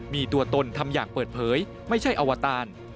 มีตัวตนทำอย่างเปิดเผยไม่ใช่อวตาร